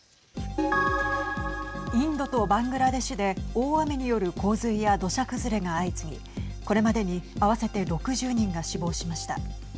インドとバングラデシュで大雨による洪水や土砂崩れが相次ぎこれまでに合わせて６０人が死亡しました。